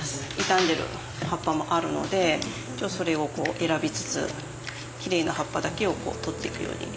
傷んでる葉っぱもあるのでそれを選びつつきれいな葉っぱだけを取っていくように。